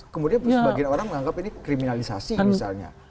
kemudian sebagian orang menganggap ini kriminalisasi misalnya